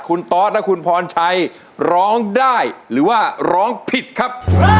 คุณตอสและคุณพรชัยร้องได้หรือว่าร้องผิดครับ